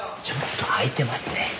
ちょっと開いてますね。